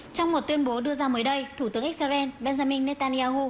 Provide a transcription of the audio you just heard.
trong một tuyên bố đưa ra mới đây thủ tướng israel benjamin netanyahu